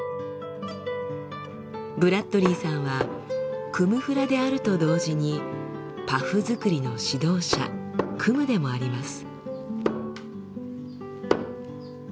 ブラッドリーさんはクム・フラであると同時にパフ作りの指導者クムでもあります。